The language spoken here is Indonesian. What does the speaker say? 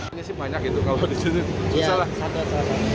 ini sih banyak gitu kalau disitu susah lah